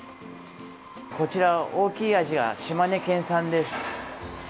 こちら、大きいアジは島根県産です。